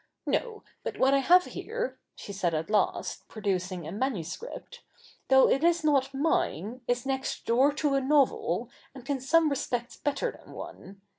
No ; but what I have here,' she said at last, producing a manuscript, ' though . it is not mine, is next door to a novel, and in some respects better than one.